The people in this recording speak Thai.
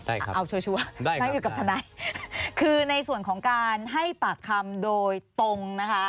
ได้ครับได้ครับคือในส่วนของการให้ปากคำโดยตรงนะคะ